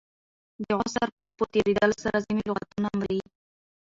د عصر په تېرېدلو سره ځیني لغتونه مري.